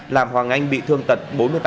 làm hoàng anh bị thương tật bốn mươi tám